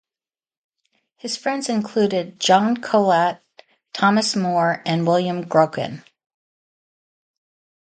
His friends included John Colet, Thomas More and William Grocyn.